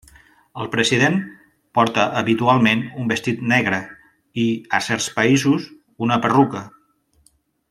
El president porta habitualment un vestit negre, i a certs països, una perruca.